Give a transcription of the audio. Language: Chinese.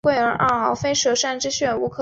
马普托河注入海湾南端。